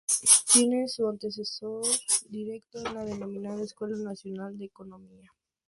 Tiene su antecesor directo en la denominada Escuela Nacional de Economía.